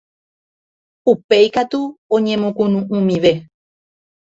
Upéi katu oñemokunu'ũmive